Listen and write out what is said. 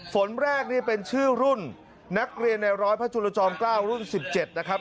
ฝนแรกนี่เป็นชื่อรุ่นนักเรียนในร้อยพระจุลจอม๙รุ่น๑๗นะครับ